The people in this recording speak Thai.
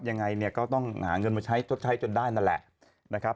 ยังไงเนี่ยก็ต้องหาเงินมาใช้ชดใช้จนได้นั่นแหละนะครับ